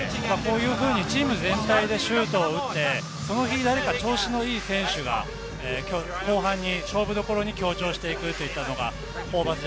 チーム全体でシュートを打って、その日誰が調子のいい選手が後半に勝負どころに強調していくというのがホーバス